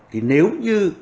thì nếu như